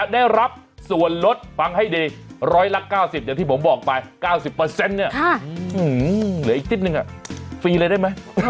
มีอะไรได้ไหม